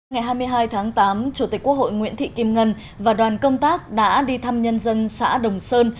ngày hai mươi hai tháng tám chủ tịch quốc hội nguyễn thị kim ngân và đoàn công tác đã đi thăm nhân dân xã đồng sơn